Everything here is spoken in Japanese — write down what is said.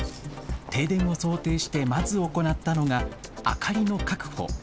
停電を想定してまず行ったのが明かりの確保。